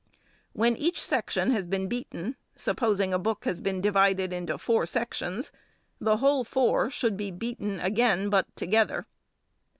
When each section has been beaten, supposing a book has been divided into four sections, the whole four should be beaten again, but together.